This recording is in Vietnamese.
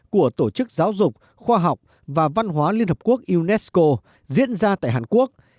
của tổ chức giáo dục khoa học và văn hóa liên hợp quốc unesco diễn ra tại hàn quốc